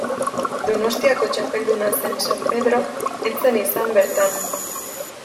Donostiako txapelduna zen San Pedro ez zen izan bertan.